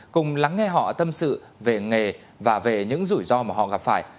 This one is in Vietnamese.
cùng lắng nghe họ tâm sự về nghề và về những rủi ro mà họ gặp phải